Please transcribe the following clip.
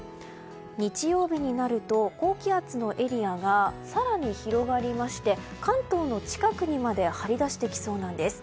日曜日になると高気圧のエリアが更に広がりまして関東の近くにまで張り出してきそうなんです。